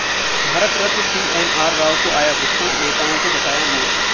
Bharat Ratna CNR Rao को आया गुस्सा, नेताओं को बताया 'मूर्ख'